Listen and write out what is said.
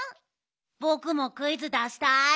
ぼくもクイズだしたい！